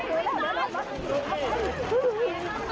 โอ้โฮโอ้โฮ